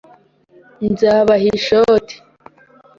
Nzabaha ishoti.